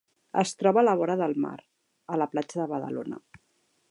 Es troba a la vora del mar, a la platja de Badalona.